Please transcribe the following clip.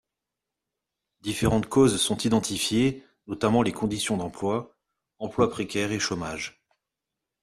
Différentes causes sont identifiées, notamment les conditions d’emploi, emploi précaire et chômage.